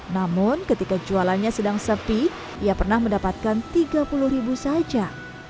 namun ketika jualannya sedang sepi ia pernah mendapatkan tiga puluh ribu saja